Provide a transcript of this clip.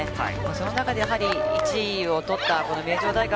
その中でやはり１位を取った名城大学。